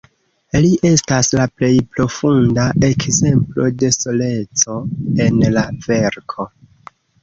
Li estas la plej profunda ekzemplo de soleco en la verko.